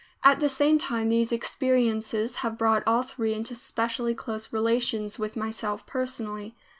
At the same time these experiences have brought all three into specially close relations with myself personally.